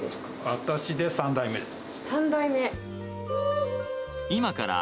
私で３代目です。